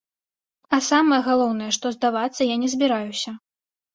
А самае галоўнае, што здавацца я не збіраюся.